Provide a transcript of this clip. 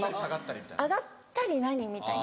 「上がったり」何？みたいな。